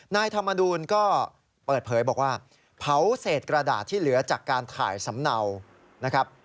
นายธรรมนูลก็เปิดเผยบอกว่าเผาเศษกระดาษที่เหลือจากการถ่ายสำเนานะครับ